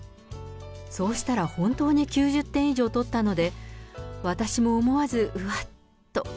そうしたら本当に９０点以上取ったので、私も思わず、うわっと。